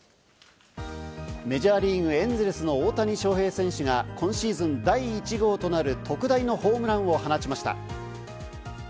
メジャーリーグ、エンゼルスの大谷翔平選手が今シーズン第１号となる特大のホームランを放ちました。